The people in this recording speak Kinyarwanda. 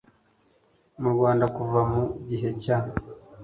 mu Rwanda kuva mu gihe cya